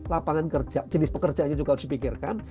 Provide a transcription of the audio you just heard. lapangan kerja jenis pekerjaannya juga harus dipikirkan